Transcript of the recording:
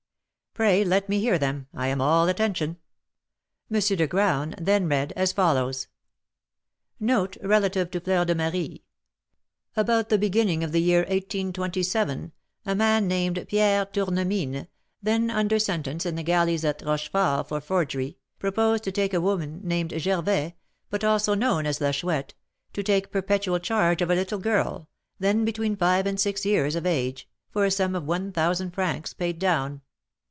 "Pray let me hear them; I am all attention." M. de Graün then read as follows: "Note relative to Fleur de Marie. About the beginning of the year 1827, a man named Pierre Tournemine, then under sentence in the galleys at Rochefort for forgery, proposed to a woman named Gervais, but also known as La Chouette, to take perpetual charge of a little girl, then between five and six years of age, for a sum of one thousand francs paid down.